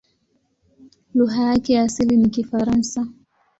Lugha yake ya asili ni Kifaransa.